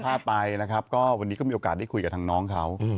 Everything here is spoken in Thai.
ถ้าไปนะครับก็วันนี้ก็มีโอกาสได้คุยกับทางน้องเขา